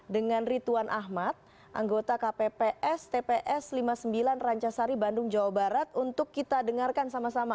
dengan rituan ahmad anggota kpps tps lima puluh sembilan rancasari bandung jawa barat untuk kita dengarkan sama sama